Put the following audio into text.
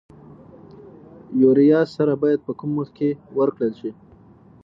یوریا سره باید په کوم وخت کې ورکړل شي؟